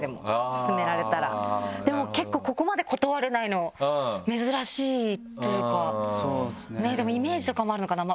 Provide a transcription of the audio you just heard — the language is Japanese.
薦められたらでも結構ここまで断れないの珍しいというかでもイメージとかもあるのかな？